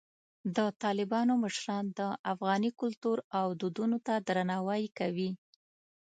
د طالبانو مشران د افغاني کلتور او دودونو ته درناوی کوي.